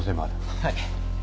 はい。